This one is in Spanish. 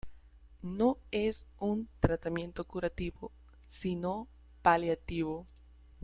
No es un tratamiento curativo sino paliativo.